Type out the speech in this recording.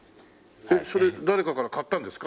えっそれ誰かから買ったんですか？